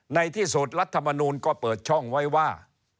ในที่สุดรัฐมนูลก็เปิดช่องไว้ว่า